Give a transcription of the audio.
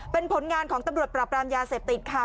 เป็นผลงานของตำรวจปราบรามยาเสพติดค่ะ